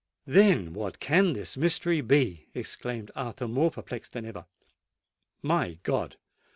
"Then, what can this mystery be?" exclaimed Arthur, more perplexed than ever. "My God!